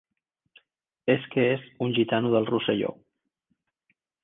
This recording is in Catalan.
És que és un gitano del Rosselló.